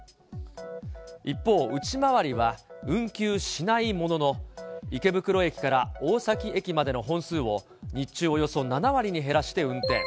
一方、内回りは運休しないものの、池袋駅から大崎駅までの本数を、日中およそ７割に減らして運転。